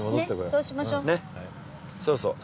そうそう。